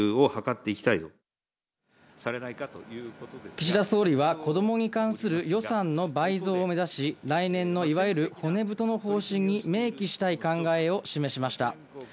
岸田総理は子供に関する予算の倍増を目指し、来年の、いわゆる骨太の方針に明記したい考えを示しました。